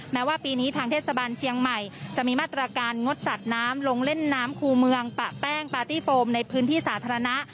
แม้ว่าปีนี้ทางเทศบาลเชียงใหม่จะมีมาตรการงดสัตว์น้ำลงเล่นน้ำคู่เมืองปะแป้งปาร์ตี้โฟมในพื้นที่สาธารณะ